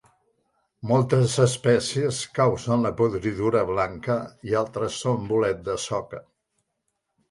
Moltes espècies causen la podridura blanca i altres són bolet de soca.